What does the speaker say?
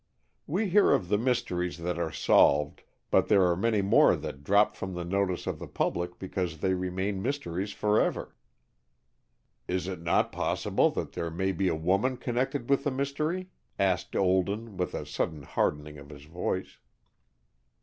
"We hear of the mysteries that are solved, but there are many more that drop from the notice of the public because they remain mysteries forever." "Is it not possible that there may be a woman connected with the mystery?" asked Olden with a sudden hardening of his voice.